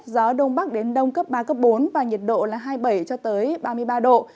gió đông bắc đến đông cấp ba bốn và nhiệt độ là hai mươi bảy ba mươi ba độ